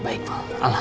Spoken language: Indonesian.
baik baik alhamdulillah